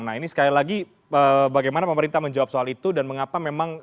nah ini sekali lagi bagaimana pemerintah menjawab soal itu dan mengapa memang